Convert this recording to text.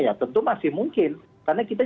ya tentu masih mungkin karena kita